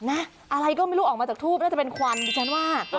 อะไรก็ไม่รู้ออกมาจากทูบน่าจะเป็นควันดิฉันว่า